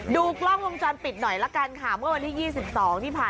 ดูกล้องวงจรปิดหน่อยละกันค่ะ